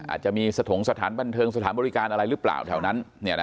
อาจจะมีสถานบันเทิงสถานบริการอะไรหรือเปล่าแถวนั้น